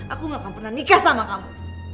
aku gak akan pernah nikah sama kamu